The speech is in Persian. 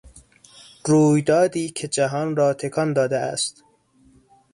رویدادی که جهان را تکان داده است